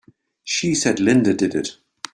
She said Linda did it!